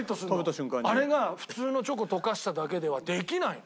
あれが普通のチョコ溶かしただけではできないの。